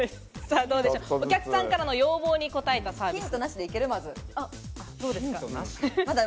お客さんからの要望に応えたサービス。